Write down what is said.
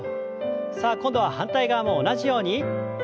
さあ今度は反対側も同じように。